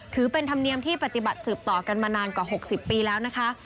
ถือเป็นธรรมเนียมที่ปฏิบัติสืบต่อกันมานานกว่า๖๐ปีแล้วนะคะ